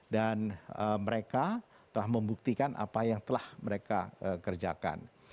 mereka telah membuktikan apa yang telah mereka kerjakan